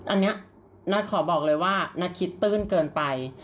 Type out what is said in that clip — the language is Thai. อันนี้นัทขอบอกเลยว่านัทคิดตื้นเกินไป